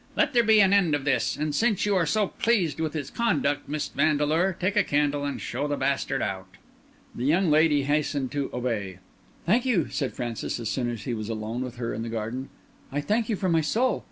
"Let there be an end of this. And since you are so pleased with his conduct, Miss Vandeleur, take a candle and show the bastard out." The young lady hastened to obey. "Thank you," said Francis, as soon as he was alone with her in the garden. "I thank you from my soul.